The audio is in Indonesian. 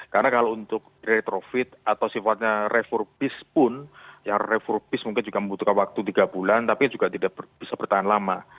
karena kalau untuk retrofit atau sifatnya refurbish pun yang refurbish mungkin juga membutuhkan waktu tiga bulan tapi juga tidak bisa bertahan lama